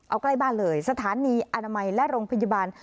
เอาใกล้บ้านเลยสถานีอนามัยและโรงพยาบาล